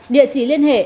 địa chỉ liên hệ